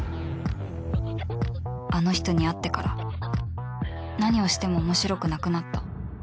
あの人に会ってから何をしても面白くなくなった